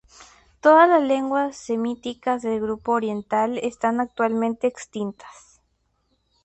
Todas las lenguas semíticas del grupo oriental están actualmente extintas.